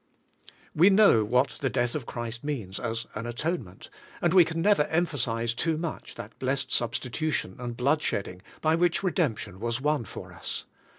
We know what the death of Christ means as an atone ment, and we never can emphasize too much that blessed substitution and bloodshedding, by which redemption was won for us.